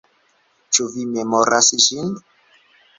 Ĉu vi memoras ĝin?